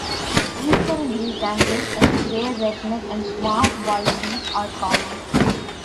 Eastern grey kangaroos and grey, redneck and swamp wallabies are common.